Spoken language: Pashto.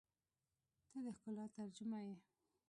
• ته د ښکلا ترجمه یې.